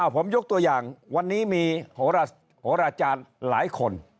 ผมยกตัวอย่างวันนี้มีโหราจารย์หลายคน